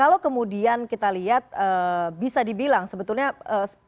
apalagi kemudian kita lihat bisa dibilang sebetulnya ada demodernisasi